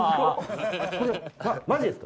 「これマジですか？